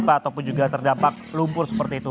ataupun juga terdampak lumpur seperti itu